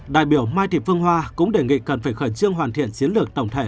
đại biểu mai thị phương hoa cũng đề nghị cần phải khẩn trương hoàn thiện chiến lược tổng thể